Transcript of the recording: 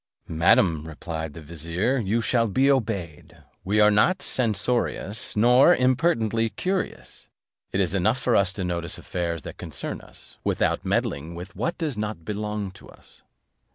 "Madam," replied the vizier, "you shall be obeyed. We are not censorious, nor impertinently curious; it is enough for us to notice affairs that concern us, without meddling with what does not belong to us."